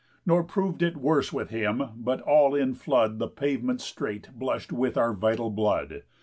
Nor prov'd it worse with him, but all in flood The pavement straight blush'd with our vital blood.